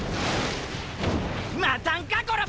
待たんかコラボケ！！